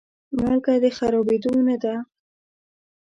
مالګه د خرابېدو نه ده.